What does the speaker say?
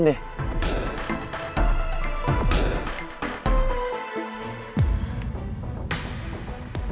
lo udah di ngusim macem macem